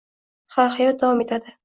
Ha, hayot davom etadi